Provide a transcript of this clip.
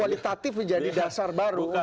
kualitatif menjadi dasar baru untuk bisa